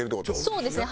そうですね。